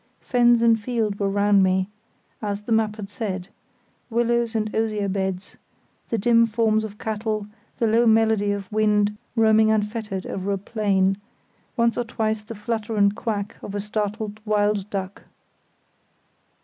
Fens and field were round me, as the map had said; willows and osier beds; the dim forms of cattle; the low melody of wind roaming unfettered over a plain; once or twice the flutter and quack of a startled wild duck.